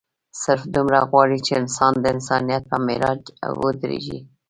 صرف دومره غواړي چې انسان د انسانيت پۀ معراج اودريږي